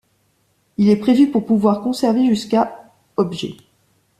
Il est prévu pour pouvoir conserver jusqu'à objets.